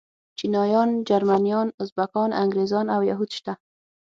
چيچنيايان، جرمنيان، ازبکان، انګريزان او يهود شته.